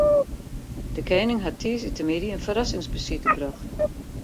De koaning hat tiisdeitemiddei in ferrassingsbesite brocht.